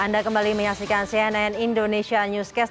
anda kembali menyaksikan cnn indonesia newscast